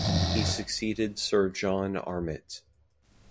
He succeeded Sir John Armitt.